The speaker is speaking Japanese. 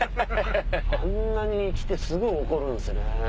あんなに来てすぐ怒るんすね。